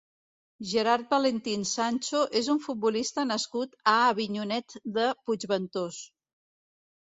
Gerard Valentín Sancho és un futbolista nascut a Avinyonet de Puigventós.